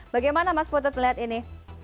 bagaimana mas putut melihat ini